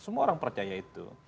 semua orang percaya itu